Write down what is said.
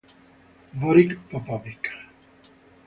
Boris Popović